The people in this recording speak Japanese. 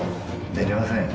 寝られませんよ。